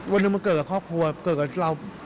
วันหนึ่งมันเกิดกับครอบครัวเกิดกับเรา